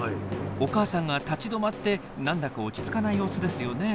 お母さんが立ち止まってなんだか落ち着かない様子ですよね？